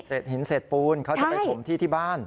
หินเสร็จปูนเขาจะไปถมที่ที่บ้าน